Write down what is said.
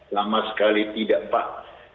lama sekali tidak pak